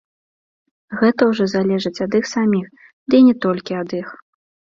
Гэта ўжо залежыць ад іх саміх, ды і не толькі ад іх.